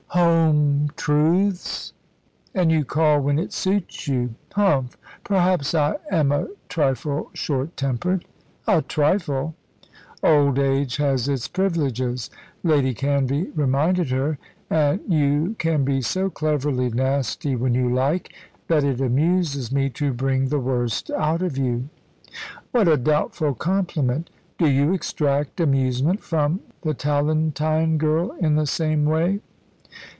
"Home truths! And you call when it suits you. Humph! Perhaps I am a trifle short tempered." "A trifle!" "Old age has its privileges," Lady Canvey reminded her; "and you can be so cleverly nasty when you like, that it amuses me to bring the worst out of you." "What a doubtful compliment! Do you extract amusement from the Tallentire girl in the same way?"